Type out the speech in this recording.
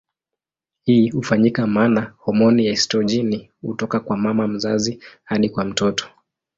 Hii hufanyika maana homoni ya estrojeni hutoka kwa mama mzazi hadi kwa mtoto.